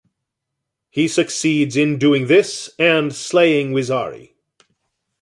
He succeeds in doing this and slaying Wizari.